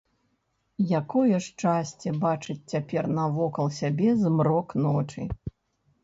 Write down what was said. Якое шчасце бачыць цяпер навокал сябе змрок ночы!